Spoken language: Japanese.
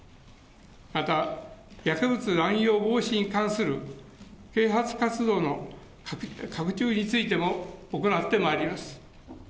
また、薬物乱用防止に関する啓発活動の拡充についても行ってまいります。